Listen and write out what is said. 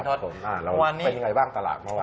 ครับผมแล้วเป็นอย่างไรบ้างตลาดเมื่อวาน